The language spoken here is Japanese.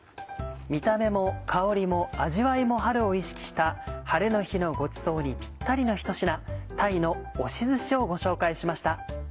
見た目も香りも味わいも春を意識した晴れの日のごちそうにピッタリのひと品「鯛の押しずし」をご紹介しました。